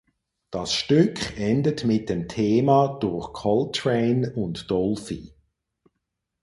Das Stück endet mit dem Thema durch Coltrane und Dolphy.